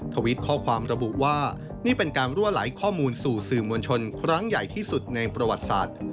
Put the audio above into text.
ทวิตข้อความระบุว่านี่เป็นการรั่วไหลข้อมูลสู่สื่อมวลชนครั้งใหญ่ที่สุดในประวัติศาสตร์